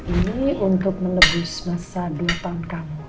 ini untuk melebus masa dua tahun kamu